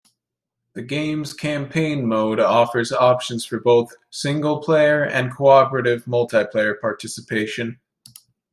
The game's "Campaign" mode offers options for both single-player and cooperative multiplayer participation.